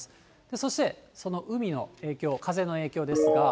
そしてその海の影響、風の影響ですが。